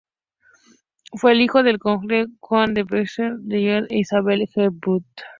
Fue el hijo del Conde Juan V de Nassau-Dillenburg e Isabel de Hesse-Marburg.